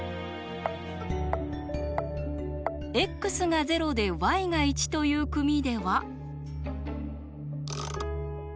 ｘが０でｙが１という組では。